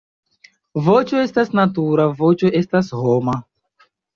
Voĉo estas natura, voĉo estas homa.